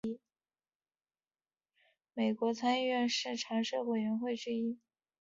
美国参议院司法委员会是美国国会参议院的常设委员会之一。